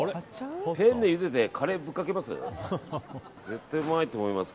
ペンネゆでてカレーぶっかけます？